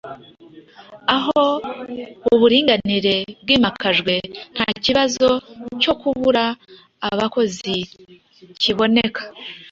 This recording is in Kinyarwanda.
Aho uburinganire bwimakajwe, nta kibazo cyo kubura abakozi kiboneka